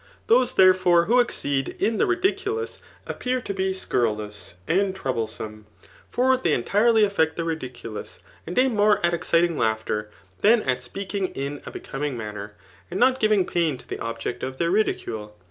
Those, therefore, who exceed in the ridkulou^ appear to be scurrilous and troublesome ; for they en tirely aifect the ridiculous, and aim more at exciting laughter, than at speaking in a becoming manner, and not ^ving pain to the object of thdr ridicule.